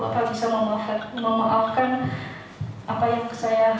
bapak bisa memaafkan apa yang saya sudah sampaikan ke bapak